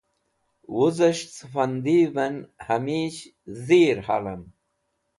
Wuzhes̃h ce Fundiven Hamish Dheer Halem